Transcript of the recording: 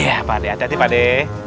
ya pade hati hati pade